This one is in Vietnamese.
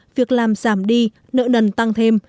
việc làm giảm đi nợ nần tăng thêm